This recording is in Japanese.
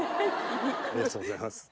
ありがとうございます。